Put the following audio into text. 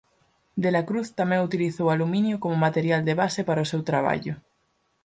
De la Cruz tamén utilizou aluminio como material de base para o seu traballo.